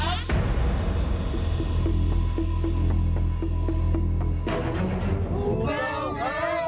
ก็ตอบได้คำเดียวนะครับ